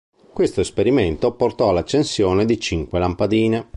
Questo esperimento portò all'accensione di cinque lampadine.